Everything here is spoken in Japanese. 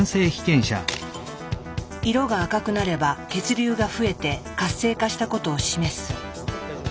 色が赤くなれば血流が増えて活性化したことを示す。